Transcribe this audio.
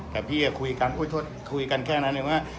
แต่พี่คุยกันโอ้ยโทษคุยกันแค่นั้นเลยว่า